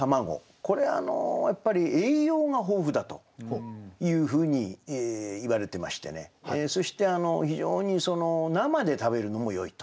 これやっぱり栄養が豊富だというふうにいわれてましてねそして非常に生で食べるのもよいと。